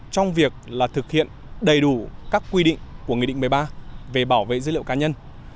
trong việc là thực hiện đầy đủ các quy định của nghị định một mươi ba về bảo vệ dữ liệu cá nhân